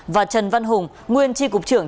và trần văn hùng nguyên chi cục trưởng